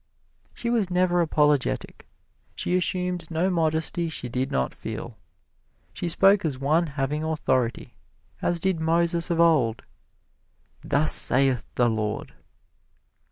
She was never apologetic; she assumed no modesty she did not feel; she spoke as one having authority, as did Moses of old, "Thus saith the Lord!"